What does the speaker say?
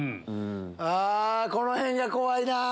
あこのへんが怖いなぁ。